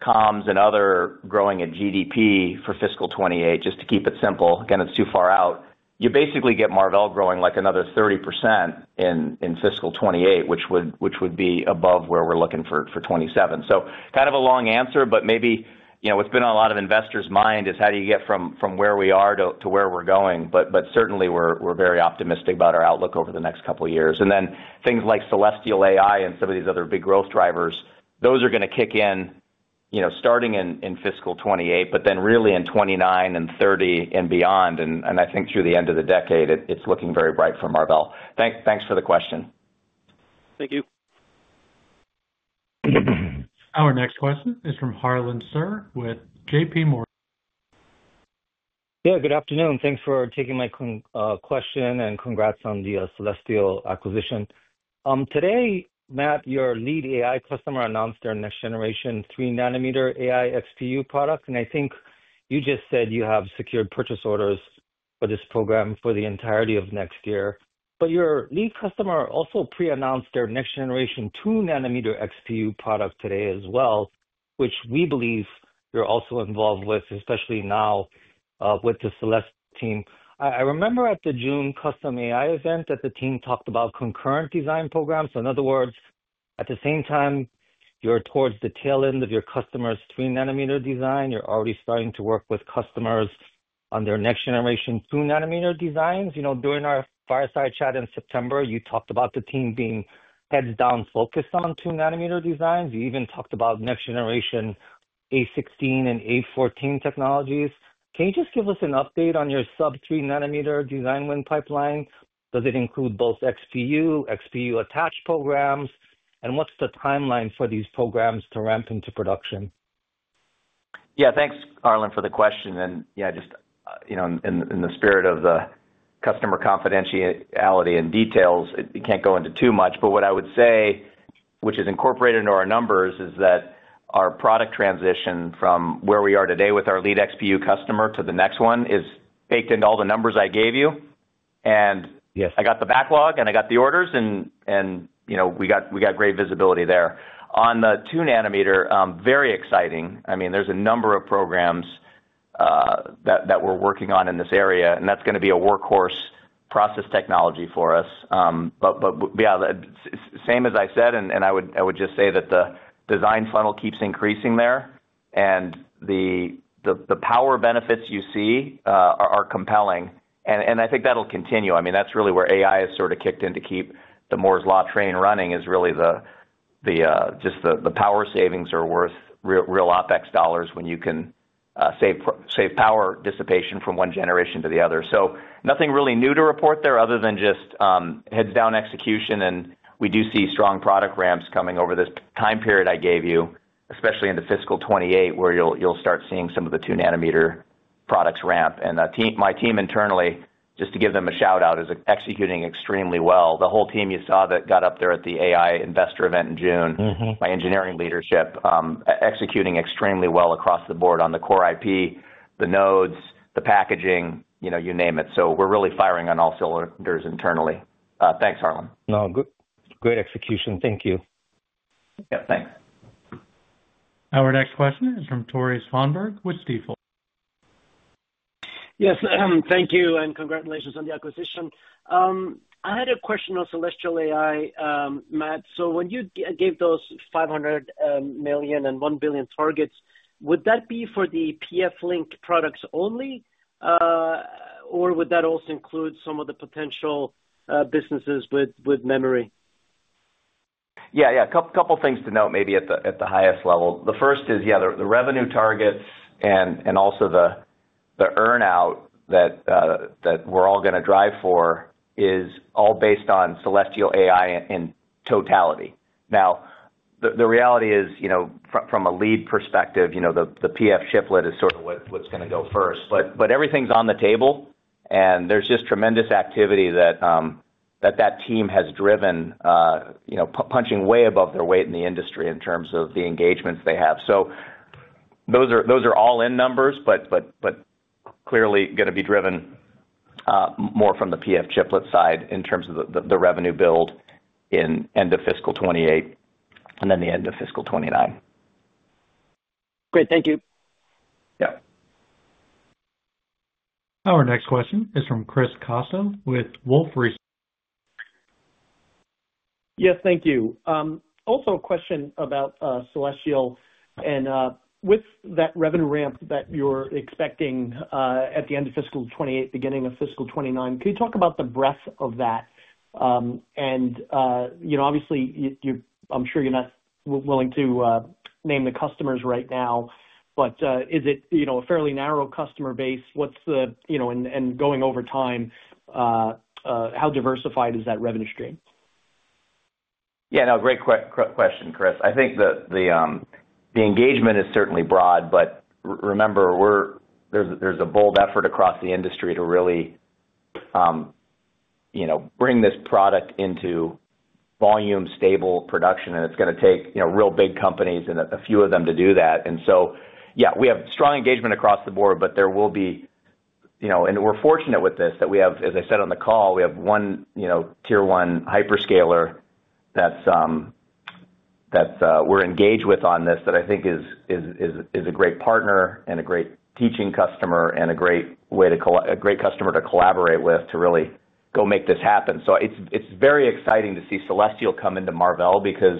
comms and other growing at GDP for fiscal 2028, just to keep it simple, again, it's too far out, you basically get Marvell growing like another 30% in fiscal 2028, which would be above where we're looking for 2027. So kind of a long answer, but maybe what's been on a lot of investors' mind is how do you get from where we are to where we're going. But certainly, we're very optimistic about our outlook over the next couple of years. And then things like Celestial AI and some of these other big growth drivers, those are going to kick in starting in fiscal 2028, but then really in 2029 and 2030 and beyond. And I think through the end of the decade, it's looking very bright for Marvell. Thanks for the question. Thank you. Our next question is from Harlan Sur with JPMorgan. Yeah, good afternoon. Thanks for taking my question and congrats on the Celestial acquisition. Today, Matt, your lead AI customer announced their next-generation 3-nanometer AI XPU product. And I think you just said you have secured purchase orders for this program for the entirety of next year. But your lead customer also pre-announced their next-generation 2-nanometer XPU product today as well, which we believe you're also involved with, especially now with the Celestial team. I remember at the June custom AI event that the team talked about concurrent design programs. In other words, at the same time, you're towards the tail end of your customer's 3-nanometer design. You're already starting to work with customers on their next-generation 2-nanometer designs. During our fireside chat in September, you talked about the team being heads-down focused on 2-nanometer designs. You even talked about next-generation A16 and A14 technologies. Can you just give us an update on your sub-3-nanometer design win pipeline? Does it include both XPU, XPU-attach programs, and what's the timeline for these programs to ramp into production? Yeah, thanks, Harlan, for the question. And yeah, just in the spirit of the customer confidentiality and details, you can't go into too much. But what I would say, which is incorporated into our numbers, is that our product transition from where we are today with our lead XPU customer to the next one is baked into all the numbers I gave you. And I got the backlog, and I got the orders, and we got great visibility there. On the 2-nanometer, very exciting. I mean, there's a number of programs that we're working on in this area, and that's going to be a workhorse process technology for us. But yeah, same as I said, and I would just say that the design funnel keeps increasing there, and the power benefits you see are compelling. And I think that'll continue. I mean, that's really where AI has sort of kicked in to keep the Moore's Law train running is really just the power savings are worth real OpEx dollars when you can save power dissipation from one generation to the other. So nothing really new to report there other than just heads-down execution. And we do see strong product ramps coming over this time period I gave you, especially into fiscal 2028, where you'll start seeing some of the 2-nanometer products ramp. And my team internally, just to give them a shout-out, is executing extremely well. The whole team you saw that got up there at the AI investor event in June by engineering leadership, executing extremely well across the board on the core IP, the nodes, the packaging, you name it. So we're really firing on all cylinders internally. Thanks, Harlan. No, good execution. Thank you. Yep, thanks. Our next question is from Tore Svanberg with Stifel. Yes, thank you, and congratulations on the acquisition. I had a question on Celestial AI, Matt. So when you gave those $500 million and $1 billion targets, would that be for the PFLink products only, or would that also include some of the potential businesses with memory? Yeah, yeah, a couple of things to note maybe at the highest level. The first is, yeah, the revenue targets and also the earnout that we're all going to drive for is all based on Celestial AI in totality. Now, the reality is, from a lead perspective, the PF chiplet is sort of what's going to go first. But everything's on the table, and there's just tremendous activity that that team has driven, punching way above their weight in the industry in terms of the engagements they have. So those are all-in numbers, but clearly going to be driven more from the PF chiplet side in terms of the revenue build in end of fiscal 2028 and then the end of fiscal 2029. Great, thank you. Yeah. Our next question is from Chris Caso with Wolfe Research. Yes, thank you. Also a question about Celestial. And with that revenue ramp that you're expecting at the end of fiscal 2028, beginning of fiscal 2029, can you talk about the breadth of that? And obviously, I'm sure you're not willing to name the customers right now, but is it a fairly narrow customer base? What's the, and going over time, how diversified is that revenue stream? Yeah, no, great question, Chris. I think the engagement is certainly broad, but remember, there's a bold effort across the industry to really bring this product into volume-stable production. And it's going to take real big companies and a few of them to do that. And so yeah, we have strong engagement across the board, but there will be, and we're fortunate with this that we have, as I said on the call, we have one tier-one hyperscaler that we're engaged with on this that I think is a great partner and a great teaching customer and a great customer to collaborate with to really go make this happen. It's very exciting to see Celestial come into Marvell because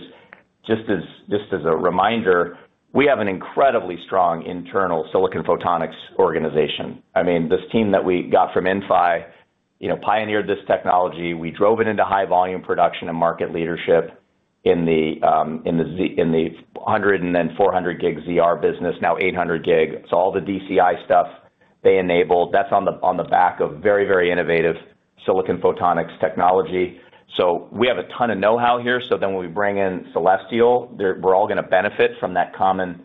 just as a reminder, we have an incredibly strong internal silicon photonics organization. I mean, this team that we got from Inphi pioneered this technology. We drove it into high-volume production and market leadership in the 100 and then 400 gig ZR business, now 800 gig. All the DCI stuff they enabled, that's on the back of very, very innovative silicon photonics technology. We have a ton of know-how here. When we bring in Celestial, we're all going to benefit from that common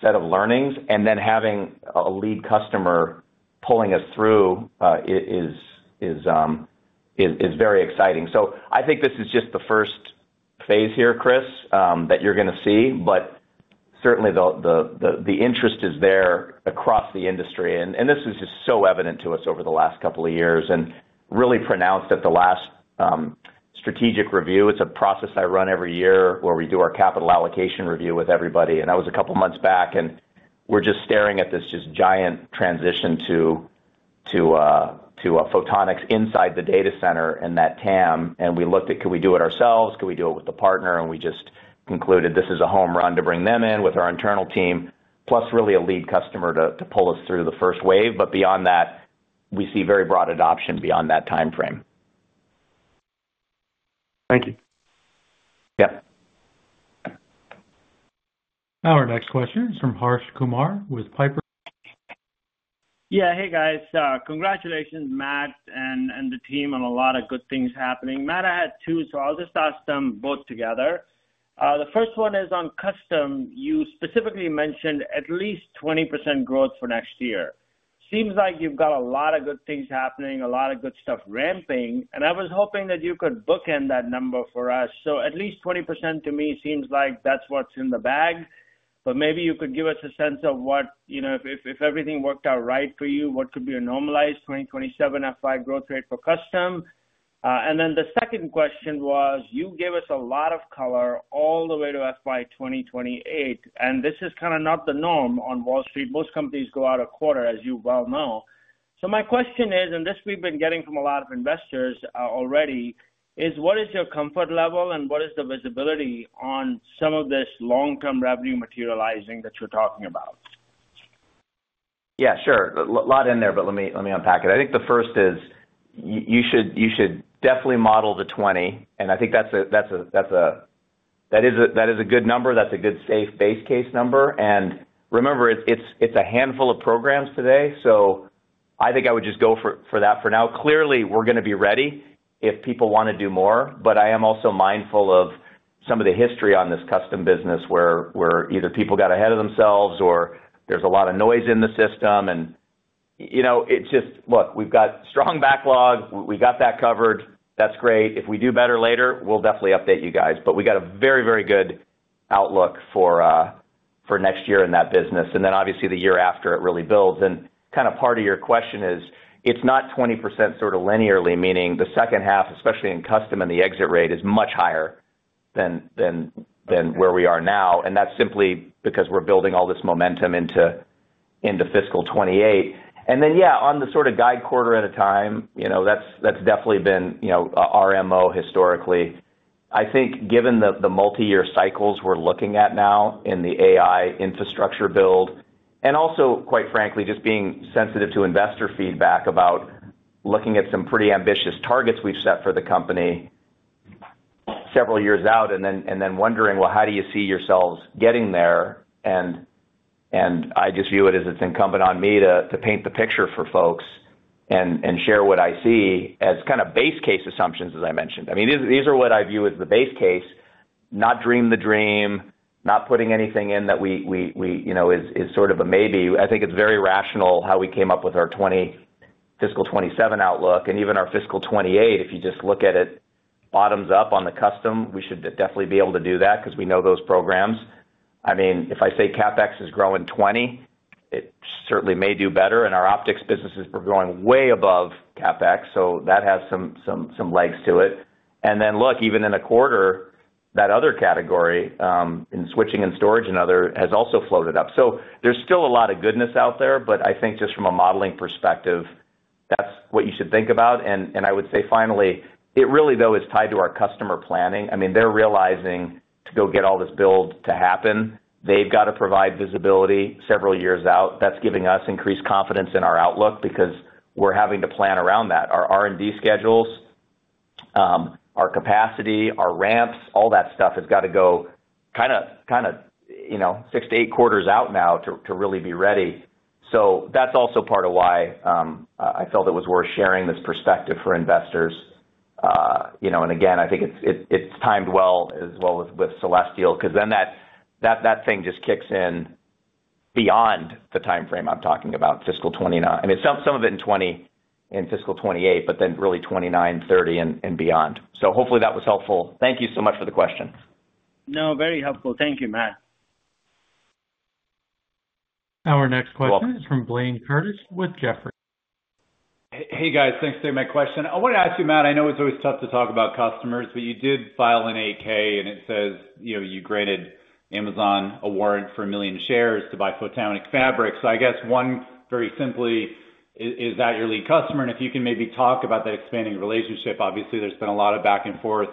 set of learnings. Having a lead customer pulling us through is very exciting. I think this is just the first phase here, Chris, that you're going to see. Certainly, the interest is there across the industry. This is just so evident to us over the last couple of years and really pronounced at the last strategic review. It's a process I run every year where we do our capital allocation review with everybody. And that was a couple of months back. And we're just staring at this just giant transition to photonics inside the data center and that TAM. And we looked at, can we do it ourselves? Can we do it with a partner? And we just concluded this is a home run to bring them in with our internal team, plus really a lead customer to pull us through the first wave. But beyond that, we see very broad adoption beyond that timeframe. Thank you. Yep. Our next question is from Harsh Kumar with Piper. Yeah, hey, guys. Congratulations, Matt and the team, and a lot of good things happening. Matt, I had two, so I'll just ask them both together. The first one is on custom. You specifically mentioned at least 20% growth for next year. Seems like you've got a lot of good things happening, a lot of good stuff ramping. And I was hoping that you could bookend that number for us. So at least 20% to me seems like that's what's in the bag. But maybe you could give us a sense of what, if everything worked out right for you, what could be a normalized 2027 FY growth rate for custom? And then the second question was, you gave us a lot of color all the way to FY 2028. And this is kind of not the norm on Wall Street. Most companies go out of quarter, as you well know. So my question is, and this we've been getting from a lot of investors already, is what is your comfort level and what is the visibility on some of this long-term revenue materializing that you're talking about? Yeah, sure. A lot in there, but let me unpack it. I think the first is you should definitely model the 20. And I think that's a-that is a good number. That's a good safe base case number. And remember, it's a handful of programs today. So I think I would just go for that for now. Clearly, we're going to be ready if people want to do more. But I am also mindful of some of the history on this custom business where either people got ahead of themselves or there's a lot of noise in the system. And it's just, look, we've got strong backlog. We got that covered. That's great. If we do better later, we'll definitely update you guys, but we got a very, very good outlook for next year in that business, and then obviously, the year after it really builds, and kind of part of your question is it's not 20% sort of linearly, meaning the second half, especially in custom and the exit rate, is much higher than where we are now, and that's simply because we're building all this momentum into fiscal 2028, and then, yeah, on the sort of guide quarter at a time, that's definitely been our MO historically. I think given the multi-year cycles we're looking at now in the AI infrastructure build, and also, quite frankly, just being sensitive to investor feedback about looking at some pretty ambitious targets we've set for the company several years out, and then wondering, well, how do you see yourselves getting there? And I just view it as it's incumbent on me to paint the picture for folks and share what I see as kind of base case assumptions, as I mentioned. I mean, these are what I view as the base case, not dream the dream, not putting anything in that is sort of a maybe. I think it's very rational how we came up with our fiscal 2027 outlook. And even our fiscal 2028, if you just look at it bottoms up on the custom, we should definitely be able to do that because we know those programs. I mean, if I say CapEx is growing 20%, it certainly may do better. And our optics businesses are growing way above CapEx. So that has some legs to it. And then, look, even in a quarter, that other category in switching and storage and other has also floated up. So there's still a lot of goodness out there. But I think just from a modeling perspective, that's what you should think about. And I would say finally, it really, though, is tied to our customer planning. I mean, they're realizing to go get all this build to happen. They've got to provide visibility several years out. That's giving us increased confidence in our outlook because we're having to plan around that. Our R&D schedules, our capacity, our ramps, all that stuff has got to go kind of six to eight quarters out now to really be ready. So that's also part of why I felt it was worth sharing this perspective for investors. And again, I think it's timed well as well with Celestial because then that thing just kicks in beyond the timeframe I'm talking about, fiscal 2029. I mean, some of it in 2020 and fiscal 2028, but then really 2029, 2030, and beyond. So hopefully that was helpful. Thank you so much for the question. No, very helpful. Thank you, Matt. Our next question is from Blayne Curtis with Jefferies. Hey, guys. Thanks for taking my question. I wanted to ask you, Matt, I know it's always tough to talk about customers, but you did file an 8-K, and it says you granted Amazon a warrant for a million shares to buy photonic fabric. So I guess one very simply is that your lead customer. And if you can maybe talk about that expanding relationship, obviously, there's been a lot of back and forth,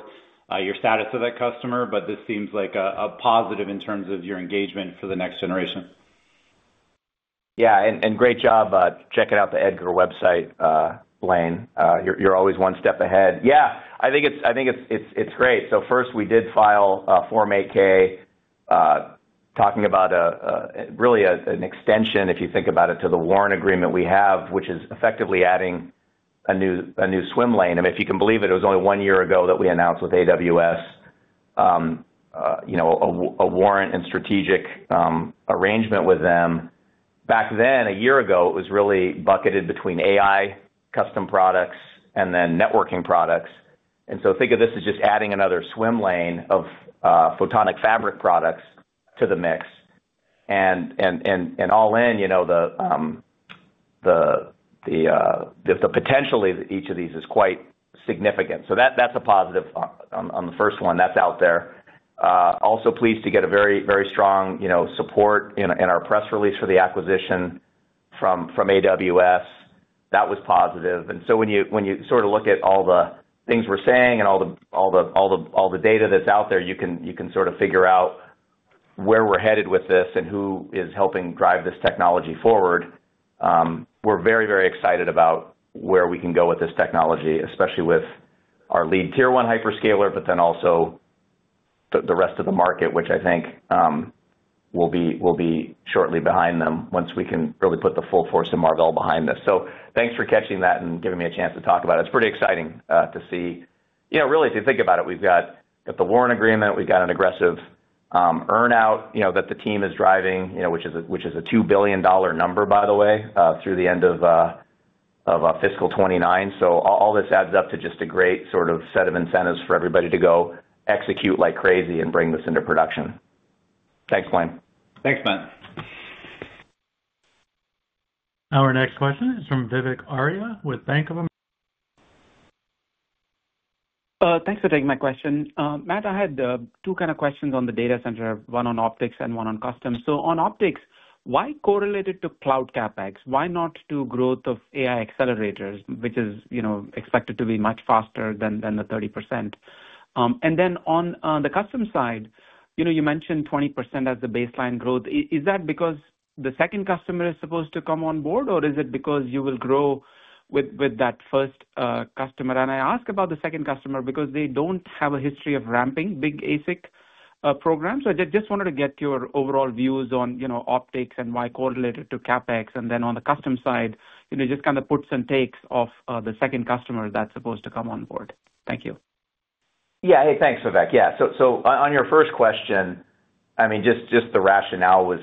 your status of that customer, but this seems like a positive in terms of your engagement for the next generation. Yeah, and great job. Check out the EDGAR website, Blaine. You're always one step ahead. Yeah, I think it's great. So first, we did file a Form 8-K talking about really an extension, if you think about it, to the warrant agreement we have, which is effectively adding a new swim lane. And if you can believe it, it was only one year ago that we announced with AWS a warrant and strategic arrangement with them. Back then, a year ago, it was really bucketed between AI, custom products, and then networking products. And so think of this as just adding another swim lane of photonic fabric products to the mix. And all in, the potential of each of these is quite significant. So that's a positive on the first one that's out there. Also pleased to get a very, very strong support in our press release for the acquisition from AWS. That was positive. When you sort of look at all the things we're saying and all the data that's out there, you can sort of figure out where we're headed with this and who is helping drive this technology forward. We're very, very excited about where we can go with this technology, especially with our lead tier-one hyperscaler, but then also the rest of the market, which I think will be shortly behind them once we can really put the full force of Marvell behind this. Thanks for catching that and giving me a chance to talk about it. It's pretty exciting to see. Really, if you think about it, we've got the warrant agreement. We've got an aggressive earnout that the team is driving, which is a $2 billion number, by the way, through the end of fiscal 2029. So all this adds up to just a great sort of set of incentives for everybody to go execute like crazy and bring this into production. Thanks, Blaine. Thanks, Matt. Our next question is from Vivek Arya with Bank of America. Thanks for taking my question. Matt, I had two kind of questions on the data center, one on optics and one on custom. So on optics, why correlate it to cloud CapEx? Why not to growth of AI accelerators, which is expected to be much faster than the 30%? And then on the custom side, you mentioned 20% as the baseline growth. Is that because the second customer is supposed to come on board, or is it because you will grow with that first customer? And I ask about the second customer because they don't have a history of ramping big ASIC programs. So I just wanted to get your overall views on optics and why correlate it to CapEx. And then on the custom side, just kind of puts and takes of the second customer that's supposed to come on board. Thank you. Yeah, hey, thanks, Vivek. Yeah. So on your first question, I mean, just the rationale was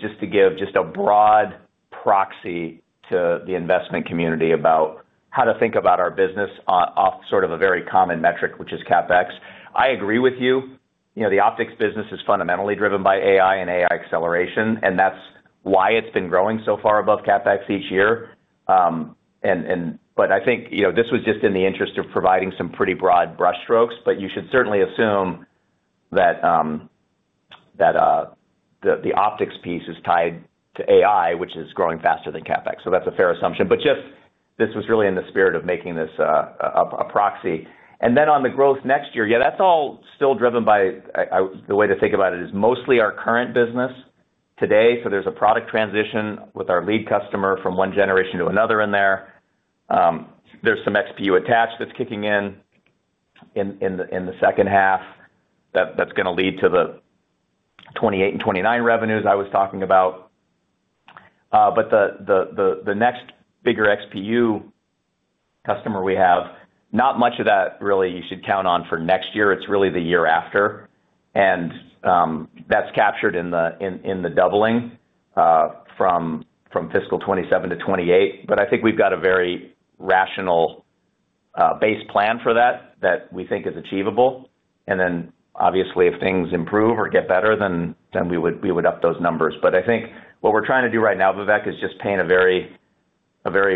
just to give just a broad proxy to the investment community about how to think about our business off sort of a very common metric, which is CapEx. I agree with you. The optics business is fundamentally driven by AI and AI acceleration, and that's why it's been growing so far above CapEx each year. But I think this was just in the interest of providing some pretty broad brushstrokes. But you should certainly assume that the optics piece is tied to AI, which is growing faster than CapEx. So that's a fair assumption. But just this was really in the spirit of making this a proxy. And then on the growth next year, yeah, that's all still driven by the way to think about it is mostly our current business today. So there's a product transition with our lead customer from one generation to another in there. There's some XPU attached that's kicking in in the second half that's going to lead to the 2028 and 2029 revenues I was talking about. But the next bigger XPU customer we have, not much of that really you should count on for next year. It's really the year after. And that's captured in the doubling from fiscal 2027 to 2028. But I think we've got a very rational base plan for that that we think is achievable. Then, obviously, if things improve or get better, then we would up those numbers. I think what we're trying to do right now, Vivek, is just paint a very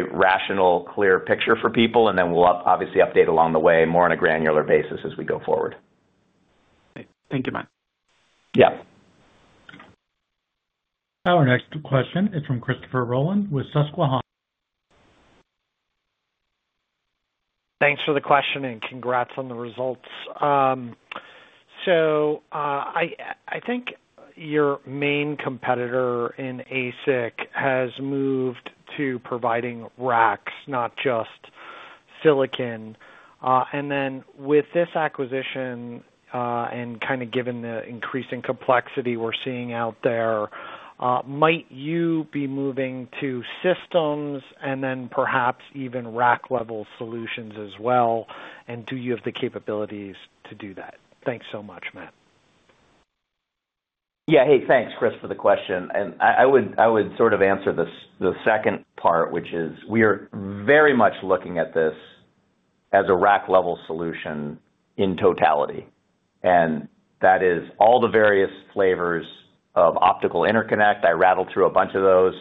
rational, clear picture for people. Then we'll obviously update along the way more on a granular basis as we go forward. Thank you, Matt. Yeah. Our next question is from Christopher Rolland with Susquehanna. Thanks for the question and congrats on the results. I think your main competitor in ASIC has moved to providing racks, not just silicon. With this acquisition and kind of given the increasing complexity we're seeing out there, might you be moving to systems and then perhaps even rack-level solutions as well? And do you have the capabilities to do that? Thanks so much, Matt. Yeah. Hey, thanks, Chris, for the question. I would sort of answer the second part, which is we are very much looking at this as a rack-level solution in totality. That is all the various flavors of optical interconnect. I rattled through a bunch of those.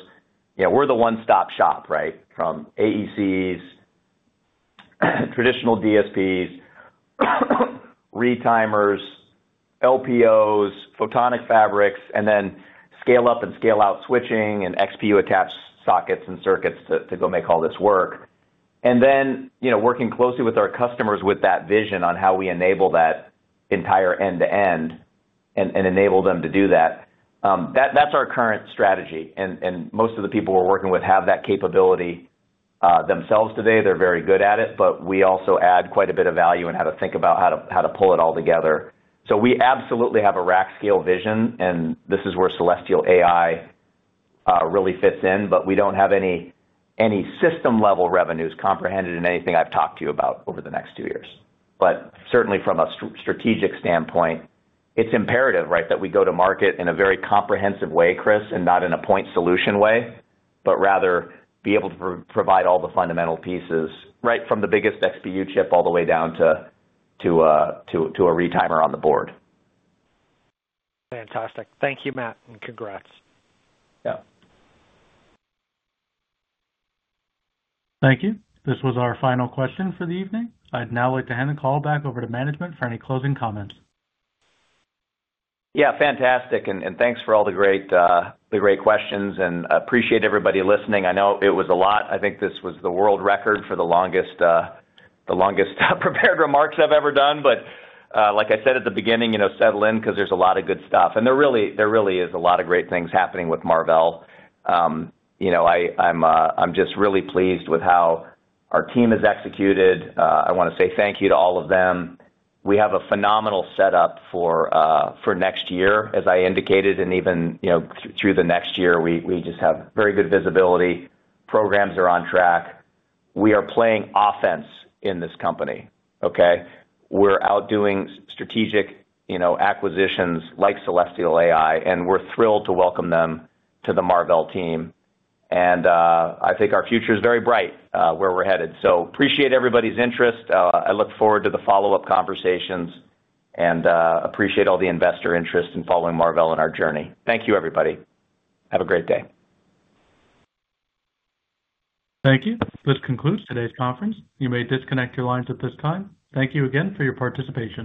We're the one-stop shop, right, from AECs, traditional DSPs, retimers, LPOs, photonic fabrics, and then scale-up and scale-out switching and XPU-attached sockets and circuits to go make all this work. Then working closely with our customers with that vision on how we enable that entire end-to-end and enable them to do that. That's our current strategy. Most of the people we're working with have that capability themselves today. They're very good at it. But we also add quite a bit of value in how to think about how to pull it all together. We absolutely have a rack-scale vision. And this is where Celestial AI really fits in. But we don't have any system-level revenues comprehended in anything I've talked to you about over the next two years. But certainly, from a strategic standpoint, it's imperative, right, that we go to market in a very comprehensive way, Chris, and not in a point-solution way, but rather be able to provide all the fundamental pieces right from the biggest XPU chip all the way down to a retimer on the board. Fantastic. Thank you, Matt, and congrats. Yeah. Thank you. This was our final question for the evening. I'd now like to hand the call back over to management for any closing comments. Yeah, fantastic. And thanks for all the great questions. And appreciate everybody listening. I know it was a lot. I think this was the world record for the longest prepared remarks I've ever done. But, like I said at the beginning, settle in because there's a lot of good stuff. And there really is a lot of great things happening with Marvell. I'm just really pleased with how our team has executed. I want to say thank you to all of them. We have a phenomenal setup for next year, as I indicated. And even through the next year, we just have very good visibility. Programs are on track. We are playing offense in this company, okay? We're out doing strategic acquisitions like Celestial AI. And we're thrilled to welcome them to the Marvell team. And I think our future is very bright where we're headed. So appreciate everybody's interest. I look forward to the follow-up conversations and appreciate all the investor interest in following Marvell and our journey. Thank you, everybody. Have a great day. Thank you. This concludes today's conference. You may disconnect your lines at this time. Thank you again for your participation.